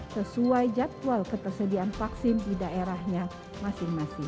sesuai jadwal ketersediaan vaksin di daerahnya masing masing